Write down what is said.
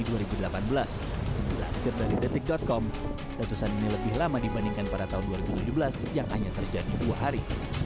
dilansir dari detik com letusan ini lebih lama dibandingkan pada tahun dua ribu tujuh belas yang hanya terjadi dua hari